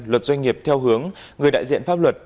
luật doanh nghiệp theo hướng người đại diện pháp luật